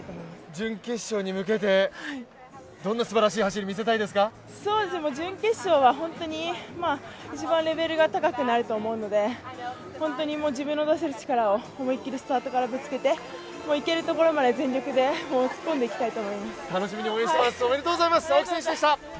準決勝は一番レベルが高くなると思うので、自分の出せる力を思いっきりスタートからぶつけていけるところまで全力で突っ込んでいきたいと思います。